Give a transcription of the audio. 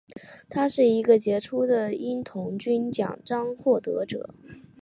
他是一个杰出的鹰童军奖章获得者。